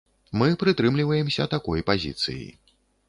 Мы прытрымліваемся такой пазіцыі.